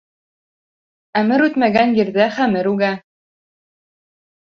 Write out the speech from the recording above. Әмер үтмәгән ерҙә хәмер үгә.